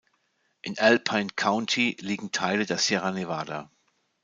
In Alpine County liegen Teile der Sierra Nevada.